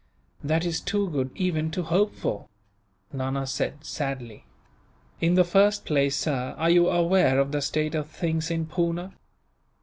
"That is too good even to hope for," Nana said, sadly. "In the first place, sir, are you aware of the state of things in Poona?"